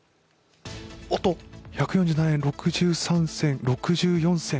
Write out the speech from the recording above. おっと、１４７円６３銭、６４銭